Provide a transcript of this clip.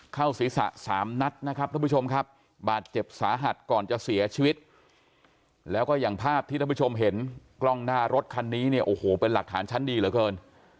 เข้าศีรษะ๓นัดนะครับท่านผู้ชมครับบาดเจ็บสาหัสก่อนจะเสียชีวิตแล้วก็อย่างภาพที่ท่านผู้ชมเห็นกล้องหน้ารถคันนี้เนี่ยโอ้โหเป็นหลักฐานชั้นดีเหลือเกิน